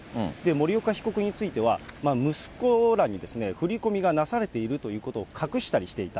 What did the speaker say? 森岡被告については、息子らに振り込みがなされているということを隠したりしていた。